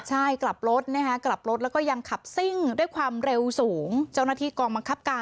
ใช่กลับรถนะคะกลับรถแล้วก็ยังขับซิ่งด้วยความเร็วสูงเจ้าหน้าที่กองบังคับการ